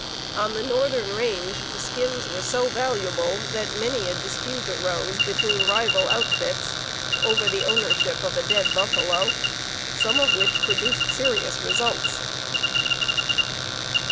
On the northern range skins were so valuable that many a dispute arose between rival outfits over the ownership of a dead buffalo, some of which produced serious results.